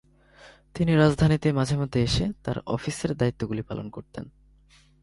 তিনি রাজধানীতে মাঝে মধ্যে এসে তার অফিসের দায়িত্বগুলি পালন করতেন।